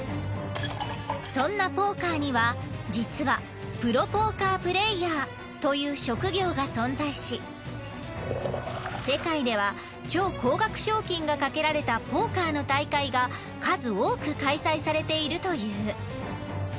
そんなポーカーには実はプロポーカープレイヤーという職業が存在し世界では超高額賞金が賭けられたポーカーの大会が数多く開催されているという。